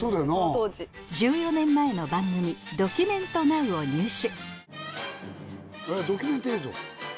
１４年前の番組「ドキュメント・ナウ」を入手